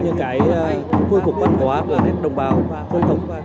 những cái khôi phục văn hóa của đồng bào đồng tộc